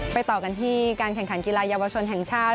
ต่อกันที่การแข่งขันกีฬาเยาวชนแห่งชาติ